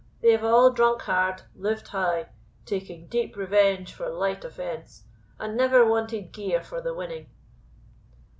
They have all drunk hard, lived high, taking deep revenge for light offence, and never wanted gear for the winning."